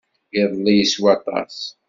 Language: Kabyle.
Iḍelli yeswa aṭas.